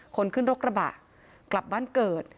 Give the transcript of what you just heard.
คนขึ้นรกระบะกลับบ้านเกิด